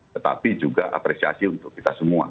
tetapi juga apresiasi untuk kita semua